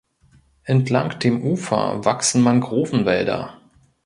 Entlang dem Ufer wachsen Mangrovenwälder.